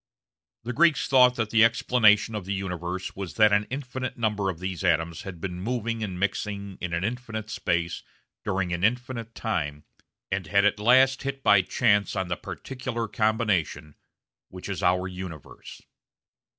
The Greeks thought that the explanation of the universe was that an infinite number of these atoms had been moving and mixing in an infinite space during an infinite time, and had at last hit by chance on the particular combination which is our universe.